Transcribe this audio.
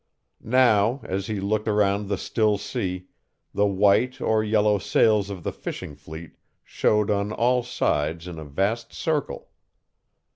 Now, as he looked around the still sea, the white or yellow sails of the fishing fleet showed on all sides in a vast circle.